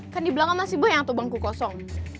kan di belakang masih banyak tuh bangku kosong